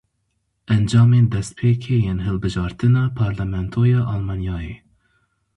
Encamên destpêkê yên hilbijartina parlamentoya Almanyayê.